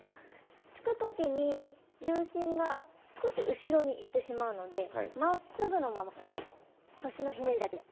突く時に重心が少し後ろにいってしまうのでまっすぐのまま腰のひねりだけで。